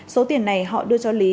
số tiền này họ đưa cho lý